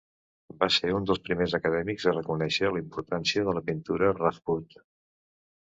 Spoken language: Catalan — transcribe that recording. Va ser un dels primers acadèmics a reconèixer la importància de la pintura Rajput.